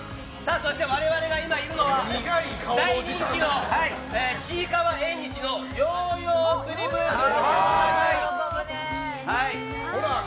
そして我々が今いるのは大人気のちいかわ縁日のヨーヨーつりブースでございます。